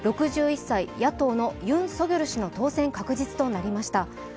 ６１歳、野党のユン・ソギョル氏の当選確実となりました。